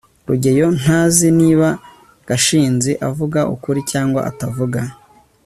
rugeyo ntazi niba gashinzi avuga ukuri cyangwa atavuga